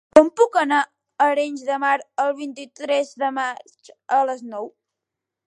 Com puc anar a Arenys de Mar el vint-i-tres de maig a les nou?